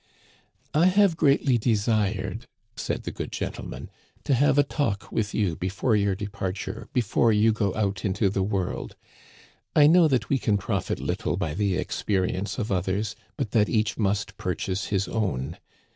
" I have greatly desired," said the good gentleman," •*to have a talk with you before your departure, before you go out into the world. I know that we can profit little by the experience of others, but that each must purchase his own.